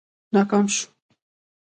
ناکام شو.